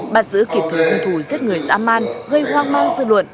bắt giữ kịp thủ hùng thủ giết người xa man gây hoang mang dư luận